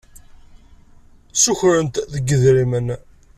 Sukren-t deg idrimen.